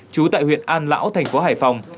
trú tại huyện an lão thành phố hải phòng